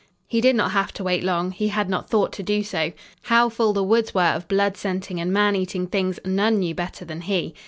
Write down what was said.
He did not have to wait long. He had not thought to do so. How full the woods were of blood scenting and man eating things none knew better than he.